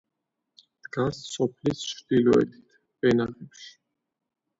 დგას სოფლის ჩრდილოეთით ვენახებში.